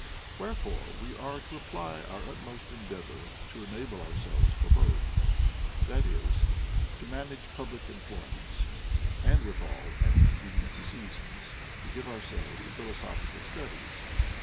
AVherefore we are to apply our utmost endeavor to enable ourselves for both ; that is, to manage public employments, and withal, at convenient seasons, to give ourselves to philosophical studies.